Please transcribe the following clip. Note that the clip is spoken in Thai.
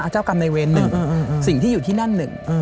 เจ้ากรรมในเวรหนึ่งสิ่งที่อยู่ที่นั่นหนึ่ง